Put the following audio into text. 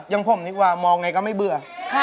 อย่างผมดีกว่ามองไงก็ไม่เบื่อ